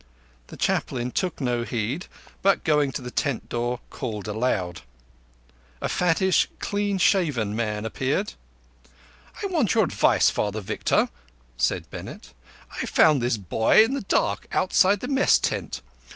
The Chaplain took no heed, but, going to the tent door, called aloud. A fattish, clean shaven man appeared. "I want your advice, Father Victor," said Bennett. "I found this boy in the dark outside the Mess tent.